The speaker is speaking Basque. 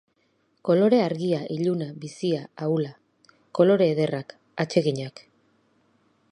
Kolore argia, iluna, bizia, ahula. Kolore ederrak, atseginak.